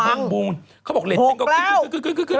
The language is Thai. ละครพงศ์บุงเขาบอกเลสติ้งก็ขึ้น